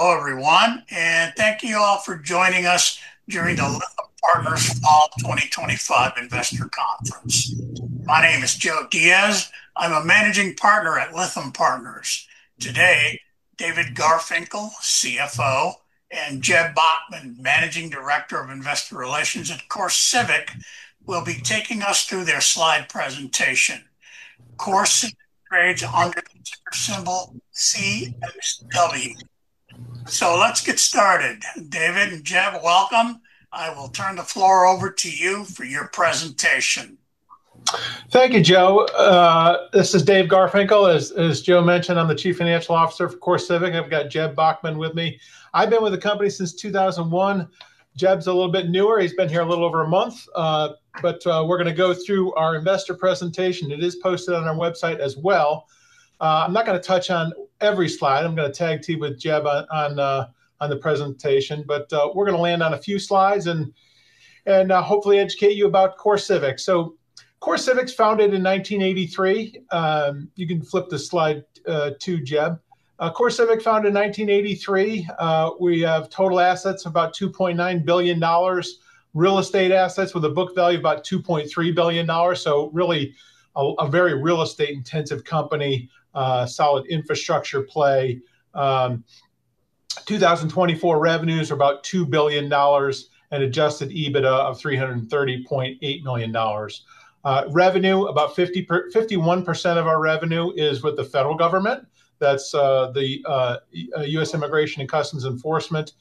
Hello everyone, and thank you all for joining us during the Lytham Partners Fall 2025 Investor Conference. My name is Joe Diaz. I'm a Managing Partner at Lytham Partners. Today, David Garfinkle, CFO, and Jeb Bachmann, Managing Director of Investor Relations at CoreCivic, will be taking us through their slide presentation. CoreCivic trades under the ticker symbol CXW. Let's get started. David and Jeb, welcome. I will turn the floor over to you for your presentation. Thank you, Joe. This is David Garfinkle. As Joe mentioned, I'm the Chief Financial Officer for CoreCivic, and I've got Jeb Bachmann with me. I've been with the company since 2001. Jeb's a little bit newer. He's been here a little over a month. We're going to go through our investor presentation. It is posted on our website as well. I'm not going to touch on every slide. I'm going to tag team with Jeb on the presentation, but we're going to land on a few slides and hopefully educate you about CoreCivic. CoreCivic was founded in 1983. You can flip the slide to Jeb. CoreCivic, founded in 1983. We have total assets of about $2.9 billion, real estate assets with a book value of about $2.3 billion. Really a very real estate-intensive company, solid infrastructure play. 2024 revenues are about $2 billion and adjusted EBITDA of $330.8 million. About 51% of our revenue is with the federal government. That's the U.S. Immigration and Customs Enforcement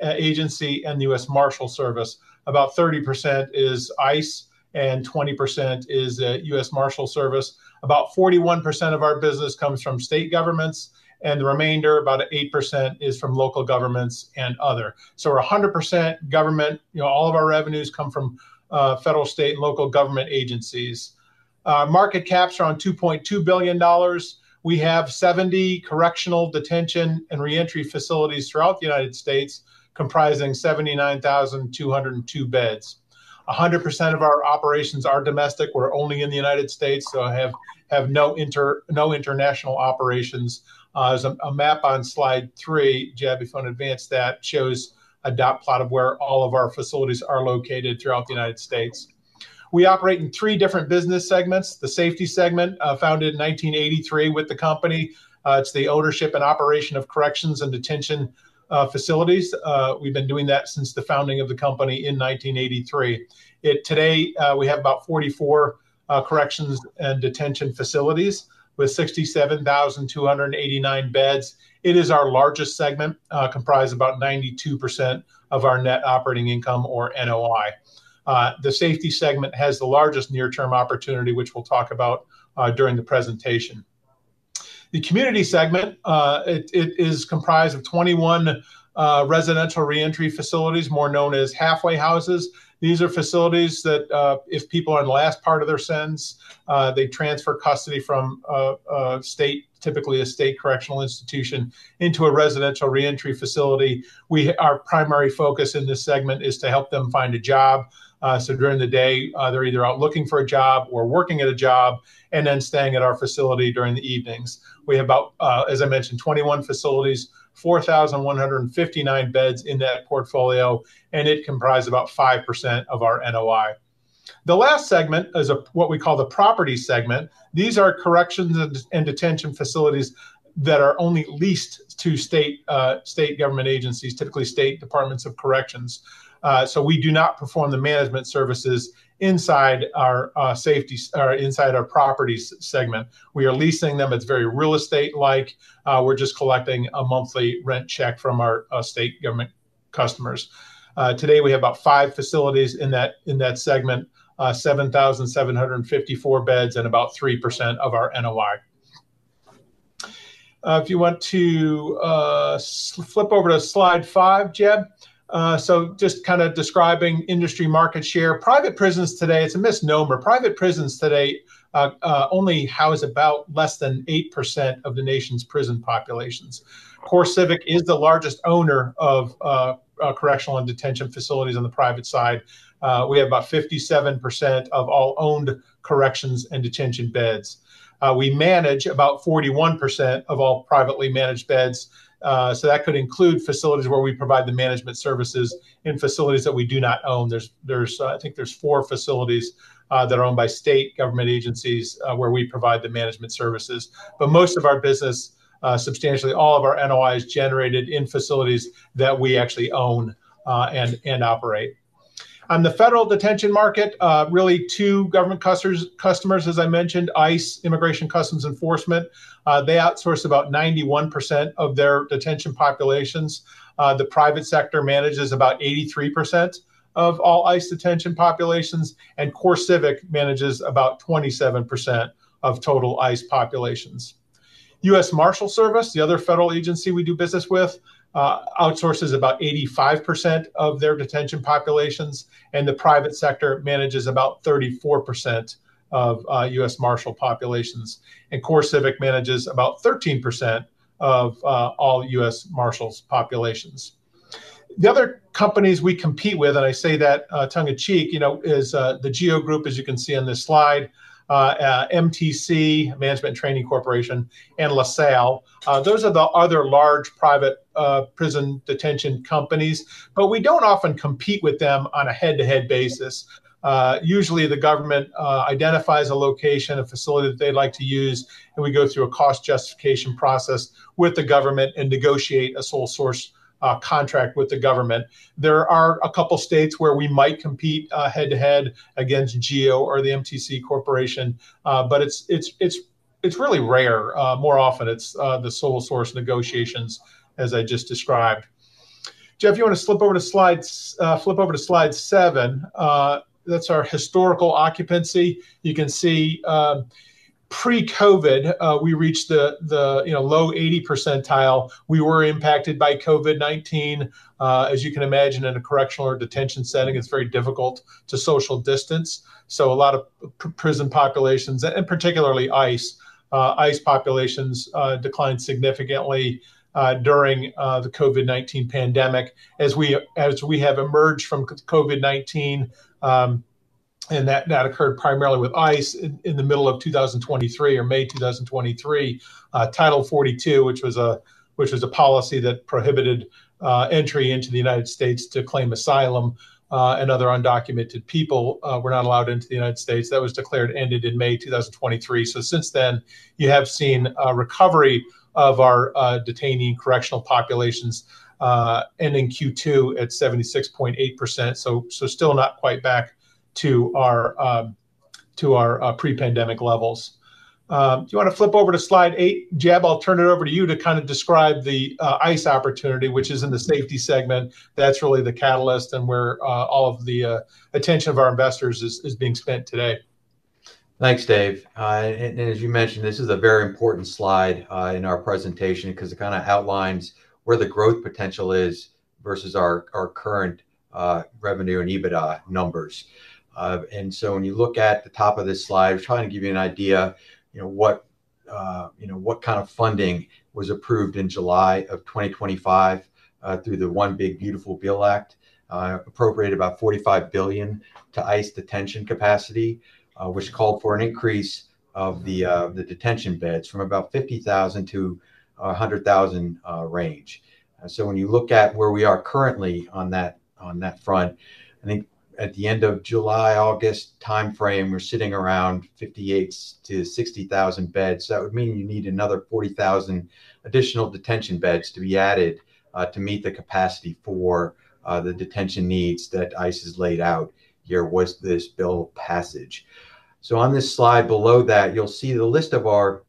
and the U.S. Marshals Service. About 30% is ICE and 20% is the U.S. Marshals Service. About 41% of our business comes from state governments, and the remainder, about 8%, is from local governments and others. We're 100% government. All of our revenues come from federal, state, and local government agencies. Market capitalization is about $2.2 billion. We have 70 correctional, detention, and reentry facilities throughout the United States, comprising 79,202 beds. 100% of our operations are domestic. We're only in the United States, so I have no international operations. There's a map on slide three, Jeb, if you want to advance that, that shows a dot plot of where all of our facilities are located throughout the United States. We operate in three different business segments. The safety segment, founded in 1983 with the company, is the ownership and operation of corrections and detention facilities. We've been doing that since the founding of the company in 1983. Today, we have about 44 corrections and detention facilities with 67,289 beds. It is our largest segment, comprised of about 92% of our net operating income or NOI. The safety segment has the largest near-term opportunity, which we'll talk about during the presentation. The community segment is comprised of 21 residential reentry facilities, more known as halfway houses. These are facilities that, if people are in the last part of their sentence, they transfer custody from a state, typically a state correctional institution, into a residential reentry facility. Our primary focus in this segment is to help them find a job. During the day, they're either out looking for a job or working at a job and then staying at our facility during the evenings. We have about, as I mentioned, 21 facilities, 4,159 beds in that portfolio, and it comprises about 5% of our NOI. The last segment is what we call the property segment. These are corrections and detention facilities that are only leased to state government agencies, typically state departments of corrections. We do not perform the management services inside our safety or inside our properties segment. We are leasing them. It's very real estate-like. We're just collecting a monthly rent check from our state government customers. Today, we have about five facilities in that segment, 7,754 beds and about 3% of our NOI. If you want to flip over to slide five, Jeb. Just kind of describing industry market share. Private prisons today, it's a misnomer. Private prisons today only house about less than 8% of the nation's prison populations. CoreCivic is the largest owner of correctional and detention facilities on the private side. We have about 57% of all owned corrections and detention beds. We manage about 41% of all privately managed beds. That could include facilities where we provide the management services in facilities that we do not own. There's, I think there's four facilities that are owned by state government agencies where we provide the management services. Most of our business, substantially all of our NOI, is generated in facilities that we actually own and operate. On the federal detention market, really two government customers, as I mentioned, ICE, Immigration and Customs Enforcement. They outsource about 91% of their detention populations. The private sector manages about 83% of all ICE detention populations, and CoreCivic manages about 27% of total ICE populations. U.S. Marshals Service, the other federal agency we do business with, outsources about 85% of their detention populations, and the private sector manages about 34% of U.S. Marshals populations, and CoreCivic manages about 13% of all U.S. Marshals populations. The other companies we compete with, and I say that tongue in cheek, you know, is the GEO Group, as you can see on this slide, MTC, Management and Training Corporation, and LaSalle. Those are the other large private prison detention companies, but we don't often compete with them on a head-to-head basis. Usually, the government identifies a location, a facility that they'd like to use, and we go through a cost justification process with the government and negotiate a sole source contract with the government. There are a couple of states where we might compete head-to-head against GEO or the MTC Corporation, but it's really rare. More often, it's the sole source negotiations, as I just described. Jeb, you want to flip over to slide seven? That's our historical occupancy. You can see pre-COVID, we reached the low 80% percentile. We were impacted by COVID-19. As you can imagine, in a correctional or detention setting, it's very difficult to social distance. A lot of prison populations, and particularly ICE, ICE populations declined significantly during the COVID-19 pandemic. As we have emerged from COVID-19, and that occurred primarily with ICE in the middle of 2023 or May 2023, Title 42, which was a policy that prohibited entry into the United States to claim asylum and other undocumented people were not allowed into the United States. That was declared ended in May 2023. Since then, you have seen a recovery of our detainee correctional populations, ending Q2 at 76.8%. Still not quite back to our pre-pandemic levels. Do you want to flip over to slide eight, Jeb? I'll turn it over to you to kind of describe the ICE opportunity, which is in the safety segment. That's really the catalyst and where all of the attention of our investors is being spent today. Thanks, Dave. As you mentioned, this is a very important slide in our presentation because it kind of outlines where the growth potential is versus our current revenue and EBITDA numbers. When you look at the top of this slide, it's trying to give you an idea of what kind of funding was approved in July 2025 through the One Big Beautiful Bill Act, appropriated about $45 billion to ICE detention capacity, which called for an increase of the detention beds from about 50,000-100,000 range. When you look at where we are currently on that front, I think at the end of July, August timeframe, we're sitting around 58,000-60,000 beds. That would mean you need another 40,000 additional detention beds to be added to meet the capacity for the detention needs that ICE has laid out here with this bill passage. On this slide below that, you'll see the list of our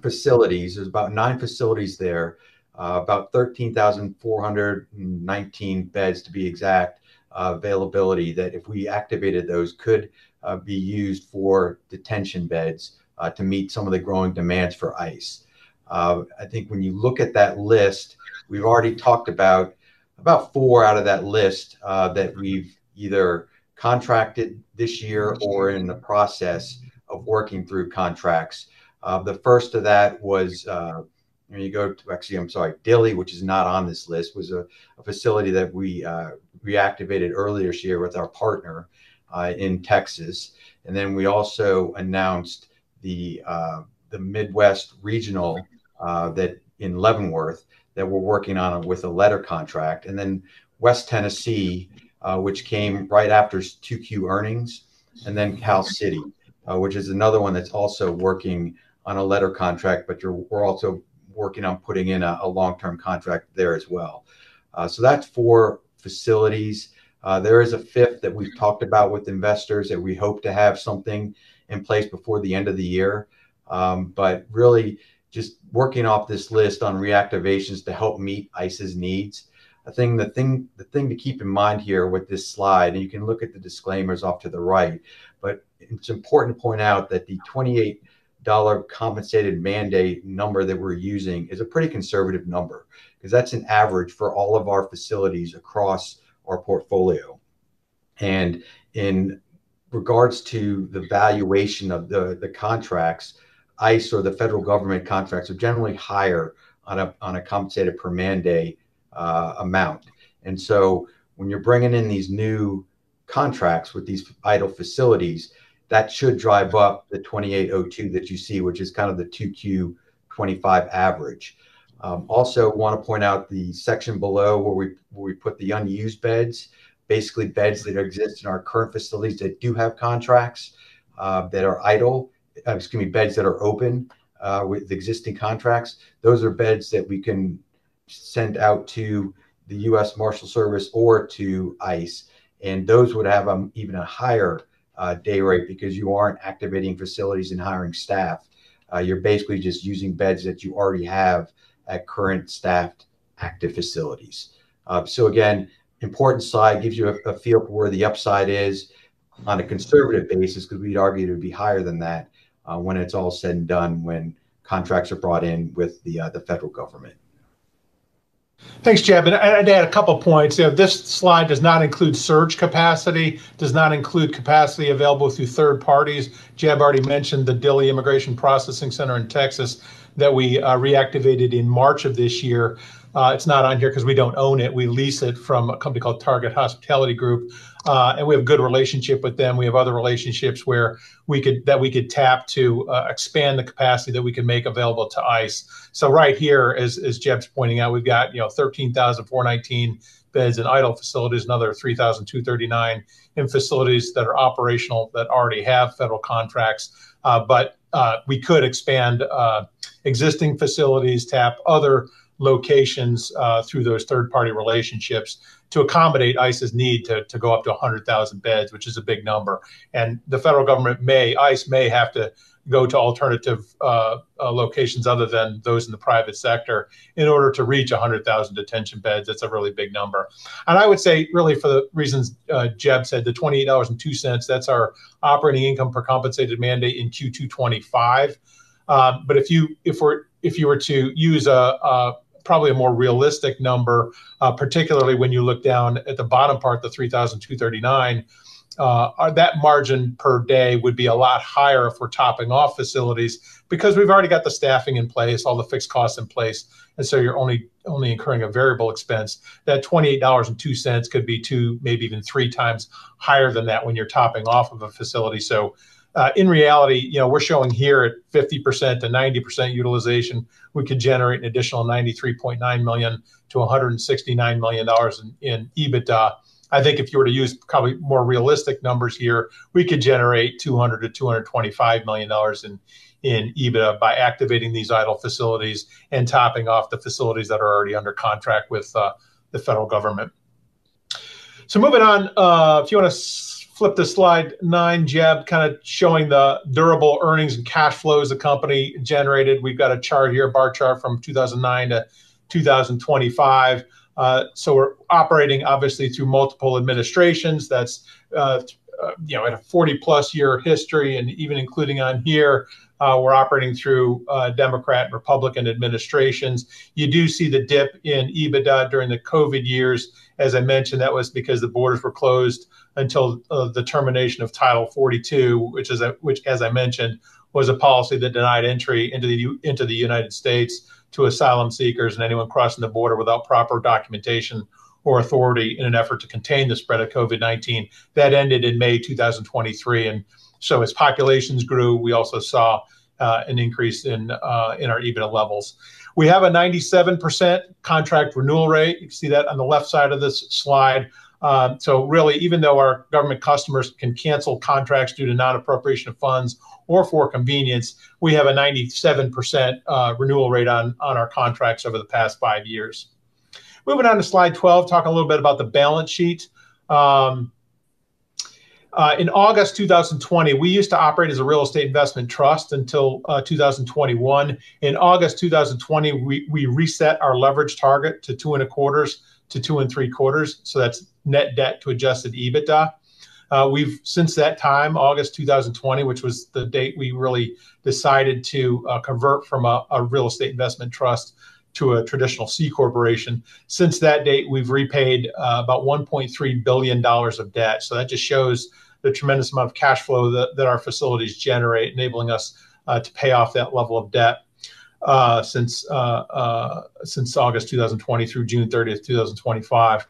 facilities. There's about nine facilities there, about 13,419 beds, to be exact, availability that if we activated those could be used for detention beds to meet some of the growing demands for ICE. I think when you look at that list, we've already talked about about four out of that list that we've either contracted this year or in the process of working through contracts. The first of that was, actually, I'm sorry, Dilly, which is not on this list, was a facility that we reactivated earlier this year with our partner in Texas. We also announced the Midwest Regional that in Leavenworth that we're working on with a letter contract. West Tennessee, which came right after 2Q earnings, and then Cal City, which is another one that's also working on a letter contract, but we're also working on putting in a long-term contract there as well. That's four facilities. There is a fifth that we've talked about with investors that we hope to have something in place before the end of the year. Really just working off this list on reactivations to help meet ICE's needs. I think the thing to keep in mind here with this slide, and you can look at the disclaimers off to the right, but it's important to point out that the $28 compensated mandate number that we're using is a pretty conservative number. That's an average for all of our facilities across our portfolio. In regards to the valuation of the contracts, ICE or the federal government contracts are generally higher on a compensated per mandate amount. When you're bringing in these new contracts with these idle facilities, that should drive up the $28.02 that you see, which is kind of the 2Q 2025 average. I want to point out the section below where we put the unused beds, basically beds that exist in our current facilities that do have contracts that are idle, excuse me, beds that are open with the existing contracts. Those are beds that we can send out to the U.S. Marshals Service or to ICE. Those would have even a higher day rate because you aren't activating facilities and hiring staff. You're basically just using beds that you already have at current staffed active facilities. Again, important slide gives you a feel for where the upside is on a conservative basis because we'd argue it would be higher than that when it's all said and done when contracts are brought in with the federal government. Thanks, Jeb. I'd add a couple of points. This slide does not include surge capacity, does not include capacity available through third parties. Jeb already mentioned the Dilly Immigration Processing Center in Texas that we reactivated in March of this year. It's not on here because we don't own it. We lease it from a company called Target Hospitality Group, and we have a good relationship with them. We have other relationships that we could tap to expand the capacity that we could make available to ICE. Right here, as Jeb's pointing out, we've got 13,419 beds in idle facilities, another 3,239 in facilities that are operational that already have federal contracts. We could expand existing facilities, tap other locations through those third-party relationships to accommodate ICE's need to go up to 100,000 beds, which is a big number. The federal government may, ICE may have to go to alternative locations other than those in the private sector in order to reach 100,000 detention beds. That's a really big number. I would say really for the reasons Jeb said, the $28.02, that's our operating income per compensated mandate in Q2 2025. If you were to use probably a more realistic number, particularly when you look down at the bottom part, the 3,239, that margin per day would be a lot higher if we're topping off facilities because we've already got the staffing in place, all the fixed costs in place, and you're only incurring a variable expense. That $28.02 could be two, maybe even three times higher than that when you're topping off a facility. In reality, we're showing here at 50% to 90% utilization, we could generate an additional $93.9 million to $169 million in EBITDA. I think if you were to use probably more realistic numbers here, we could generate $200 million-$225 million in EBITDA by activating these idle facilities and topping off the facilities that are already under contract with the federal government. Moving on, if you want to flip to slide nine, Jeb, kind of showing the durable earnings and cash flows the company generated. We've got a chart here, a bar chart from 2009 to 2025. We're operating obviously through multiple administrations. That's, you know, at a 40-plus year history. Even including on here, we're operating through Democrat and Republican administrations. You do see the dip in EBITDA during the COVID years. As I mentioned, that was because the borders were closed until the termination of Title 42, which, as I mentioned, was a policy that denied entry into the United States to asylum seekers and anyone crossing the border without proper documentation or authority in an effort to contain the spread of COVID-19. That ended in May 2023. As populations grew, we also saw an increase in our EBITDA levels. We have a 97% contract renewal rate. You can see that on the left side of this slide. Really, even though our government customers can cancel contracts due to non-appropriation of funds or for convenience, we have a 97% renewal rate on our contracts over the past five years. Moving on to slide 12, talking a little bit about the balance sheet. In August 2020, we used to operate as a real estate investment trust until 2021. In August 2020, we reset our leverage target to two and a quarter to two and three quarters. That is net debt to adjusted EBITDA. Since that time, August 2020, which was the date we really decided to convert from a real estate investment trust to a traditional C corporation, we have repaid about $1.3 billion of debt. That just shows the tremendous amount of cash flow that our facilities generate, enabling us to pay off that level of debt since August 2020 through June 30th, 2025.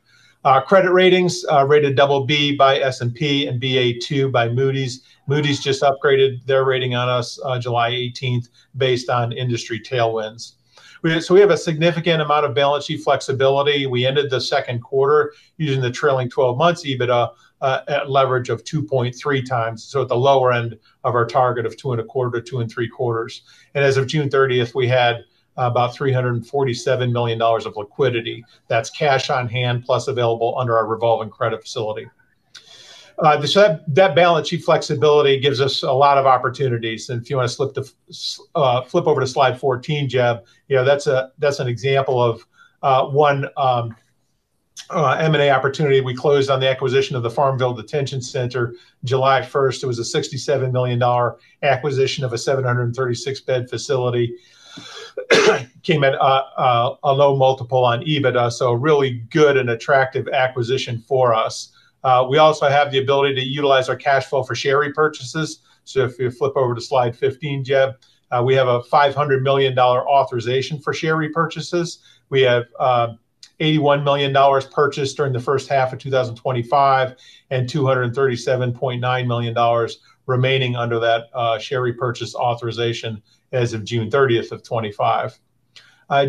Credit ratings are rated BB by S&P and Ba2 by Moody's. Moody's just upgraded their rating on us on July 18th based on industry tailwinds. We have a significant amount of balance sheet flexibility. We ended the second quarter using the trailing 12 months EBITDA at leverage of 2.3 times, at the lower end of our target of two and a quarter to two and three quarters. As of June 30, we had about $347 million of liquidity. That is cash on hand plus available under our revolving credit facility. That balance sheet flexibility gives us a lot of opportunities. If you want to flip over to slide 14, Jeb, that is an example of one M&A opportunity. We closed on the acquisition of the Farmville Detention Center July 1st. It was a $67 million acquisition of a 736-bed facility. It came at a low multiple on EBITDA, so a really good and attractive acquisition for us. We also have the ability to utilize our cash flow for share repurchases. If you flip over to slide 15, Jeb, we have a $500 million authorization for share repurchases. We have $81 million purchased during the first half of 2025 and $237.9 million remaining under that share repurchase authorization as of June 30th, 2025.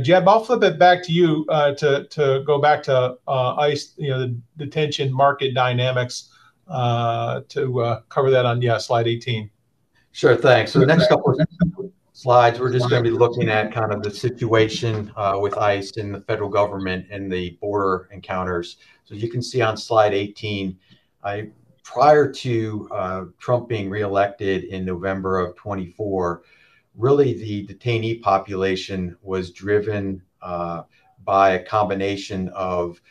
Jeb, I'll flip it back to you to go back to ICE, you know, the detention market dynamics to cover that on slide 18. Sure, thanks. The next couple of slides, we're just going to be looking at kind of the situation with ICE and the federal government and the border encounters. As you can see on slide 18, prior to Trump being reelected in November of 2024, really the detainee population was driven by a combination of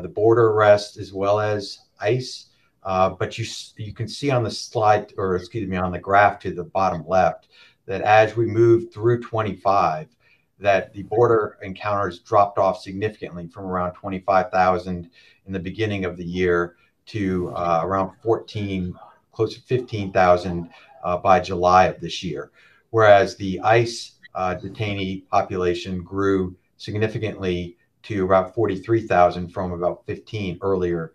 the border arrests as well as ICE. You can see on the slide, or excuse me, on the graph to the bottom left, that as we moved through 2025, the border encounters dropped off significantly from around 25,000 in the beginning of the year to around 14,000, close to 15,000 by July of this year. Whereas the ICE detainee population grew significantly to about 43,000 from about 15,000 earlier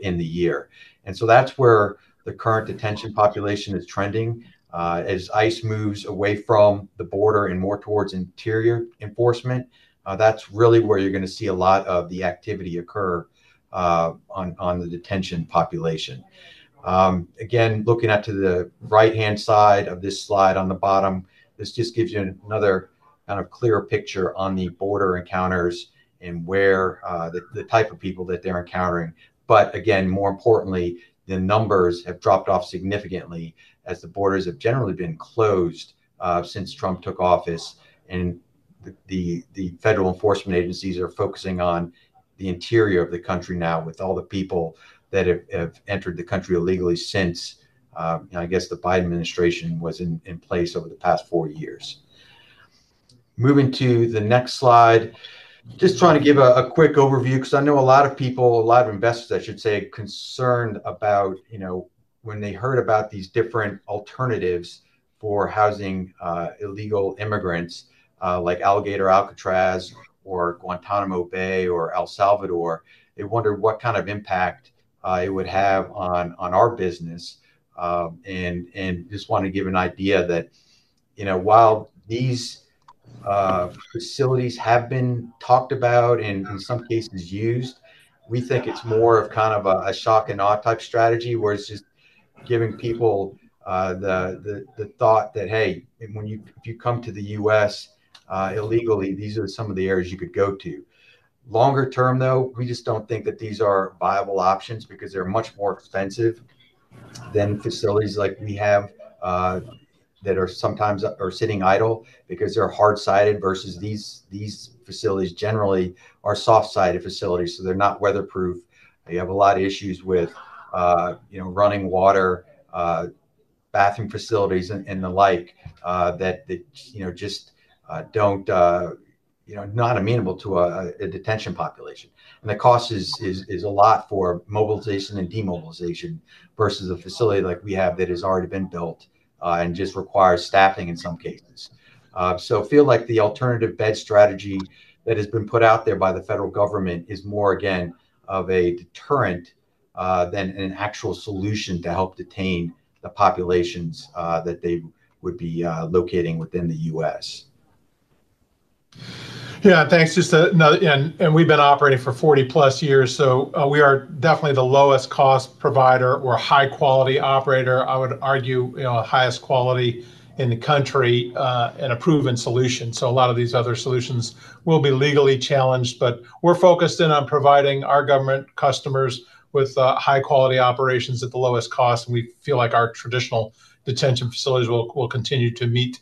in the year. That's where the current detention population is trending. As ICE moves away from the border and more towards interior enforcement, that's really where you're going to see a lot of the activity occur on the detention population. Again, looking at the right-hand side of this slide on the bottom, this just gives you another kind of clear picture on the border encounters and the type of people that they're encountering. More importantly, the numbers have dropped off significantly as the borders have generally been closed since Trump took office. The federal enforcement agencies are focusing on the interior of the country now with all the people that have entered the country illegally since, I guess, the Biden administration was in place over the past four years. Moving to the next slide, just trying to give a quick overview because I know a lot of people, a lot of investors, I should say, are concerned about, you know, when they heard about these different alternatives for housing illegal immigrants like Alligator, Alcatraz, or Guantanamo Bay, or El Salvador, they wonder what kind of impact it would have on our business. Just want to give an idea that, you know, while these facilities have been talked about and in some cases used, we think it's more of kind of a shock and awe type strategy where it's just giving people the thought that, hey, if you come to the U.S. illegally, these are some of the areas you could go to. Longer term, though, we just don't think that these are viable options because they're much more expensive than facilities like we have that are sometimes sitting idle because they're hard-sided versus these facilities generally are soft-sided facilities. They're not weatherproof. They have a lot of issues with running water, bathroom facilities, and the like that just don't, you know, not amenable to a detention population. The cost is a lot for mobilization and demobilization versus a facility like we have that has already been built and just requires staffing in some cases. I feel like the alternative bed strategy that has been put out there by the federal government is more, again, of a deterrent than an actual solution to help detain the populations that they would be locating within the U.S. Yeah, thanks. Just another, and we've been operating for 40 plus years, so we are definitely the lowest cost provider. We're a high-quality operator. I would argue, you know, the highest quality in the country and a proven solution. A lot of these other solutions will be legally challenged, but we're focused in on providing our government customers with high-quality operations at the lowest cost. We feel like our traditional detention facilities will continue to meet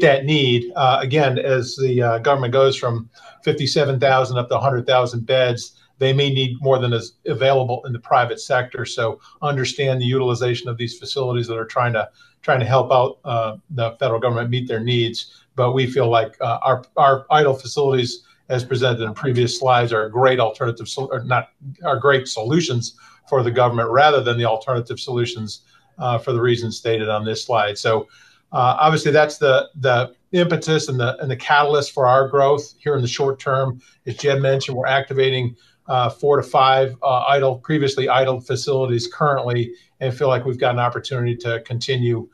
that need. Again, as the government goes from 57,000 up to 100,000 beds, they may need more than is available in the private sector. Understand the utilization of these facilities that are trying to help out the federal government meet their needs. We feel like our idle facilities, as presented in previous slides, are great alternatives, are great solutions for the government rather than the alternative solutions for the reasons stated on this slide. Obviously, that's the impetus and the catalyst for our growth here in the short term. As Jeb mentioned, we're activating four to five previously idle facilities currently and feel like we've got an opportunity to continue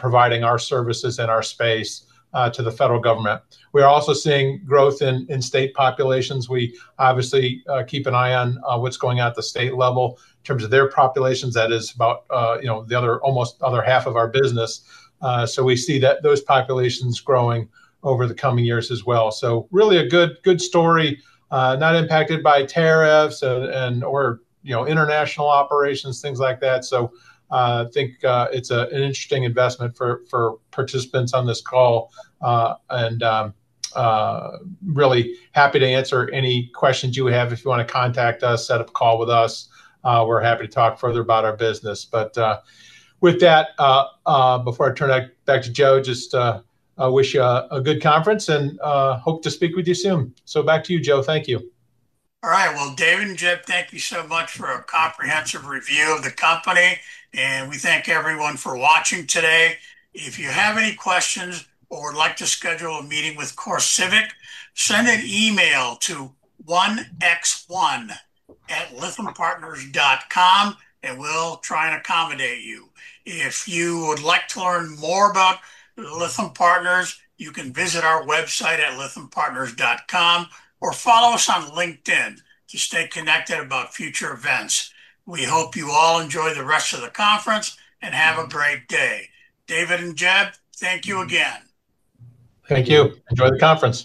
providing our services and our space to the federal government. We are also seeing growth in state populations. We obviously keep an eye on what's going on at the state level in terms of their populations. That is about, you know, the other almost other half of our business. We see that those populations growing over the coming years as well. Really a good story, not impacted by tariffs or international operations, things like that. I think it's an interesting investment for participants on this call. Really happy to answer any questions you have if you want to contact us, set up a call with us. We're happy to talk further about our business. With that, before I turn it back to Joe, just wish you a good conference and hope to speak with you soon. Back to you, Joe. Thank you. All right. David and Jeb, thank you so much for a comprehensive review of the company. We thank everyone for watching today. If you have any questions or would like to schedule a meeting with CoreCivic, send an email to 1x1@lithiumpartners.com and we'll try and accommodate you. If you would like to learn more about Lithium Partners, you can visit our website at lithiumpartners.com or follow us on LinkedIn to stay connected about future events. We hope you all enjoy the rest of the conference and have a great day. David and Jeb, thank you again. Thank you. Enjoy the conference.